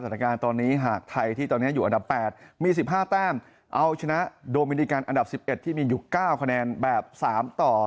สถานการณ์ตอนนี้หากไทยที่ตอนเนี้ยอยู่อันดับแปดมีสิบห้าแต้มเอาชนะโดมินิกันอันดับสิบเอ็ดที่มีอยู่เก้าคะแนนแบบสามต่อ